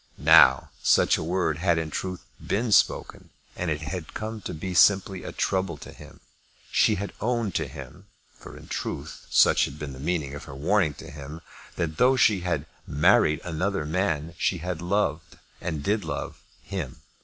Now such a word had in truth been spoken, and it had come to be simply a trouble to him. She had owned to him, for, in truth, such had been the meaning of her warning to him, that, though she had married another man, she had loved and did love him.